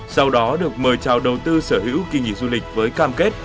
sau đó được mời trào đầu tư sở hữu kỳ nghỉ du lịch với cam kết